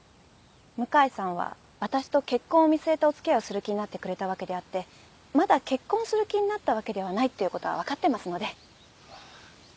向井さんは私と結婚を見据えたお付き合いをする気になってくれたわけであってまだ結婚する気になったわけではないっていうことは分かってますので。